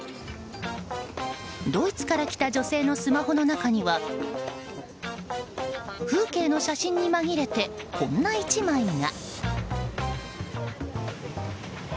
ドイツから来た女性のスマホの中には風景の写真に紛れてこんな１枚が。